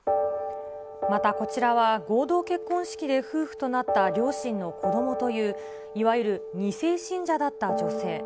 また、こちらは合同結婚式で夫婦となった両親の子どもという、いわゆる二世信者だった女性。